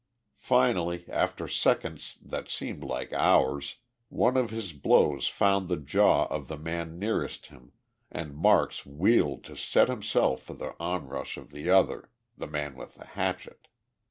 Finally, after seconds that seemed like hours, one of his blows found the jaw of the man nearest him, and Marks wheeled to set himself for the onrush of the other the man with the hatchet.